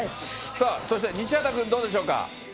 さあ、そして西畑君、どうでしょうか。